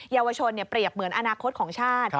เยาวชนเปรียบเหมือนอนาคตของชาติ